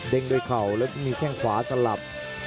เด้งโดยเข่าแล้วจะมีแข่งขวาสลับ